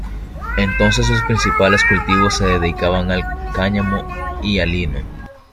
Entonces, los principales cultivos se dedicaban al cáñamo y al lino.